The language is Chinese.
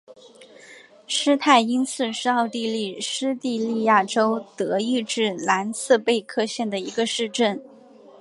施泰因茨是奥地利施蒂利亚州德意志兰茨贝格县的一个市镇。